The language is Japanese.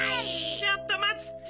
・ちょっとまつっちゃ！